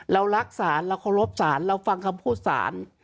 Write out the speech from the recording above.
เรารักสรรเรารบสรรเราฟังคำพูดสรร